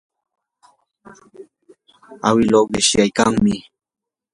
awiluu qishyaykanmi.